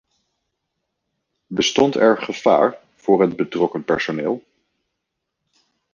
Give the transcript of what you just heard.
Bestond er gevaar voor het betrokken personeel?